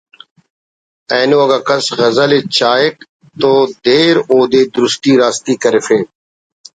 اینو اگہ کس غزلءِ چاہک تو دیر اودے درستی راستی کرفے